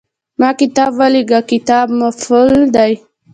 ما کتاب ولېږه – "کتاب" مفعول دی.